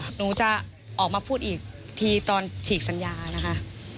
หนูจะออกมาพูดอีกทีตอนฉีกสัญญานะคะ